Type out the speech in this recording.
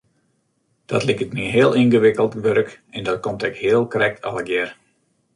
Dat liket my heel yngewikkeld wurk en dat komt ek heel krekt allegear.